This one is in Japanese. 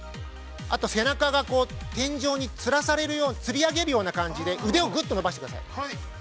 あと、背中がこう、天井につり上げるような感じで腕をぐっと伸ばしてください。